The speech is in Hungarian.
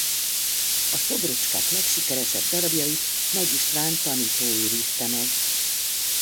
A szobrocskák legsikeresebb darabjait Nagy István tanító őrizte meg.